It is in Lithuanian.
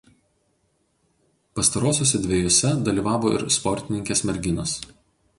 Pastarosiose dvejose dalyvavo ir sportininkės merginos.